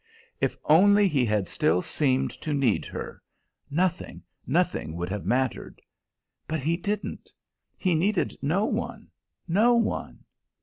If only he had still seemed to need her, nothing, nothing would have mattered. But he didn't: he needed no one no one.